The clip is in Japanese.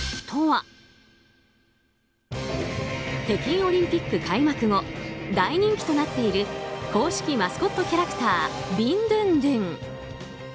北京オリンピック開幕後大人気となっている公式マスコットキャラクタービンドゥンドゥン。